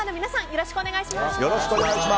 よろしくお願いします。